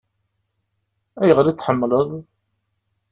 Ayɣer i t-tḥemmleḍ?